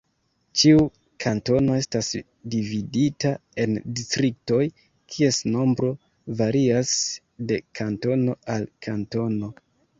Ĉiu kantono estas dividita en distriktoj kies nombro varias de kantono al kantono.